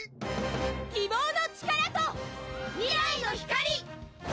「希望の力と」「未来の光！」